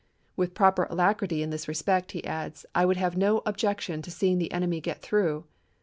" With proper alacrity in this respect," he adds, " I would have no objec tion to seeing the enemy get through."